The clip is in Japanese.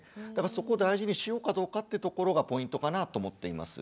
そこを大事にしようかどうかってところがポイントかなと思っています。